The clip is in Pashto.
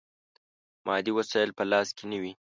مادي وسایل په لاس کې نه وي.